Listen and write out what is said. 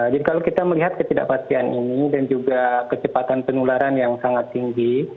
jadi kalau kita melihat ketidakpastian ini dan juga kecepatan penularan yang sangat tinggi